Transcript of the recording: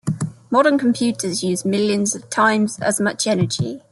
Modern computers use millions of times as much energy.